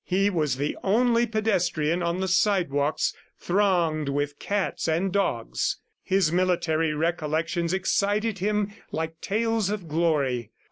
He was the only pedestrian on the sidewalks thronged with cats and dogs. His military recollections excited him like tales of glory.